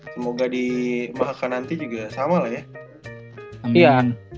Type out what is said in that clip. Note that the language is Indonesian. semoga di mahaka nanti juga sama lah ya